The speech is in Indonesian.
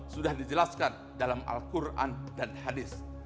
sudah dijelaskan dalam al quran dan hadis